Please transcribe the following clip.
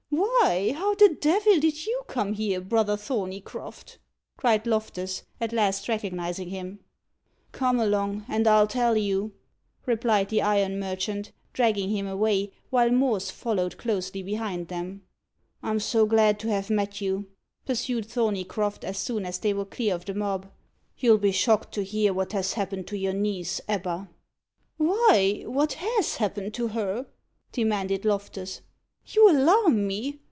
"Why, how the devil did you come here, brother Thorneycroft?" cried Loftus, at last recognising him. "Come along, and I'll tell you," replied the iron merchant, dragging him away, while Morse followed closely behind them. "I'm so glad to have met you," pursued Thorneycroft, as soon as they were clear of the mob; "you'll be shocked to hear what has happened to your niece, Ebba." "Why, what has happened to her?" demanded Loftus. "You alarm me.